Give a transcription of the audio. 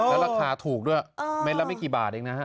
แล้วราคาถูกด้วยเม็ดละไม่กี่บาทเองนะฮะ